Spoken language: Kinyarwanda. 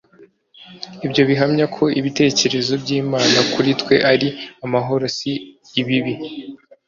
Ibyo bihamya ko ibitekerezo by'Imana kuri twe ari “amahoro, si ibibi.